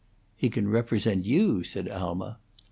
"He can represent you," said Alma.